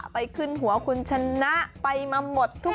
ไปขึ้นหัวคุณชนะไปมาหมดทุก